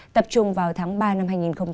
tập trung vào tháng ba năm hai nghìn hai mươi